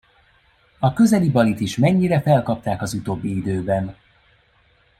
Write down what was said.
A közeli Balit is mennyire felkapták az utóbbi időben.